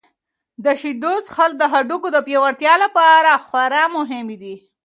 د شیدو څښل د هډوکو د پیاوړتیا لپاره خورا مهم دي.